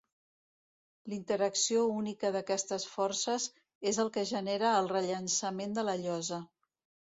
L'interacció única d'aquestes forces és el que genera el rellançament de la llosa.